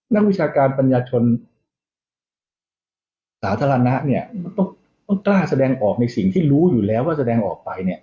วิชาการปัญญาชนสาธารณะเนี่ยมันต้องกล้าแสดงออกในสิ่งที่รู้อยู่แล้วว่าแสดงออกไปเนี่ย